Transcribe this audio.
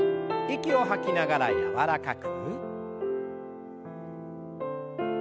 息を吐きながら柔らかく。